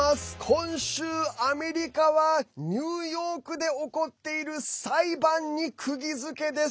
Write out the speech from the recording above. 今週、アメリカはニューヨークで起こっている裁判にくぎづけです。